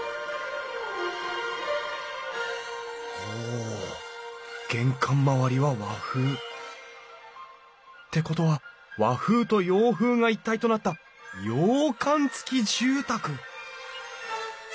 お玄関周りは和風。ってことは和風と洋風が一体となった洋館付き住宅！